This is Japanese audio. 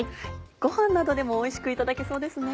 ご飯などでもおいしくいただけそうですね。